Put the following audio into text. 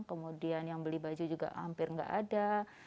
kemudian yang beli baju juga hampir nggak ada